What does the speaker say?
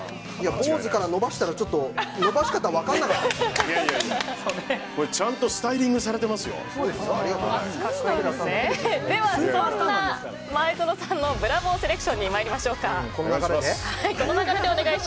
坊主から伸ばしたらちょっと伸ばし方ちゃんとスタイリングではそんな前園さんのブラボーセレクションに参りましょうか。